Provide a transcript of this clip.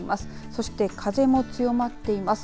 そして風も強まっています。